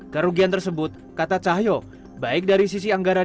kerugian tersebut kata cahyo baik dari sisi anggaran